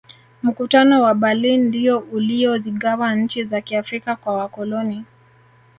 mkutano wa berlin ndiyo uliyozigawa nchi za kiafrika kwa wakoloni